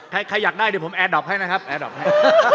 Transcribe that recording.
ใครอยากได้เดี๋ยวผมแอร์ด็อปให้นะครับแอร์ด็อปให้